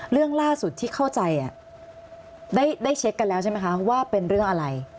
เรื่องล่าสุดที่เข้าใจได้เช็คกันแล้วใช่ไหมคะว่าเป็นเรื่องอะไร